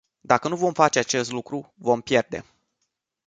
Dacă nu vom face acest lucru, vom pierde.